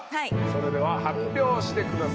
それでは発表してください。